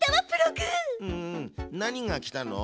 うんうん何が来たの？